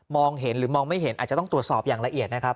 เห็นหรือมองไม่เห็นอาจจะต้องตรวจสอบอย่างละเอียดนะครับ